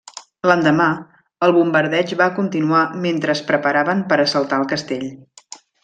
L'endemà, el bombardeig va continuar mentre es preparaven per assaltar el castell.